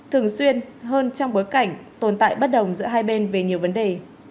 thường xuyên hơn trong bối cảnh tồn tại bất đồng giữa hai bên về nhiều vấn đề